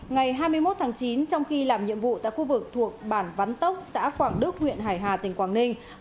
ngày hai mươi một tháng chín trong khi làm nhiệm vụ tại khu vực thuộc bản văn tốc xã quảng đức huyện hải hà tỉnh quảng ninh